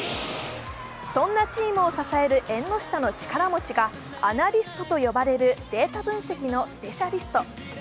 そんなチームを支える縁の下の力持ちがアナリストと呼ばれるデータ分析のスペシャリスト。